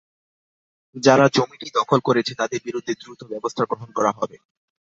যারা জমিটি দখল করেছে, তাদের বিরুদ্ধে দ্রুত ব্যবস্থা গ্রহণ করা হবে।